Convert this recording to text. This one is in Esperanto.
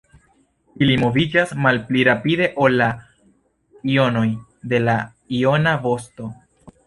Ili moviĝas malpli rapide ol la jonoj de la jona vosto.